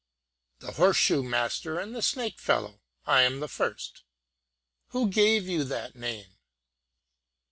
"The horseshoe master and the snake fellow I am the first." "Who gave you that name?"